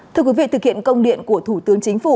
thưa quý vị thực hiện công điện của thủ tướng chính phủ